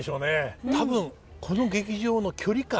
多分この劇場の距離感。